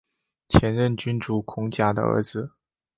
前任君主孔甲的儿子。